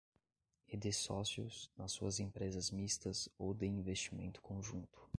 e de sócios nas suas empresas mistas ou de investimento conjunto